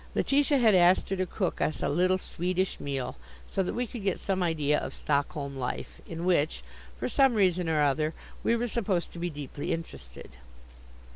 Letitia had asked her to cook us a little Swedish meal, so that we could get some idea of Stockholm life, in which, for some reason or other, we were supposed to be deeply interested.